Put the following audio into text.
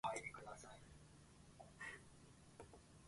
紙の山は雑誌だったり、小説だったり、新聞だったり、大量の広告だったりした